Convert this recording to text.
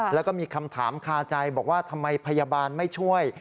แล้วก็มีคำถามคาใจบอกว่าทำไมพยาบาลไม่ช่วย